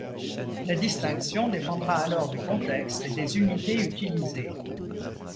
La distinction dépendra alors du contexte et des unités utilisées.